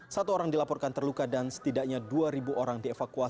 satu orang dilaporkan terluka dan setidaknya dikunci oleh pabrik alkohol di meksiko city